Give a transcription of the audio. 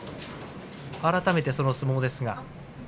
改めて、その相撲です。